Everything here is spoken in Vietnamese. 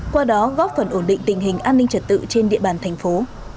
qua đó góp phần ổn định tình hình an ninh trật tự trên địa bàn thành phố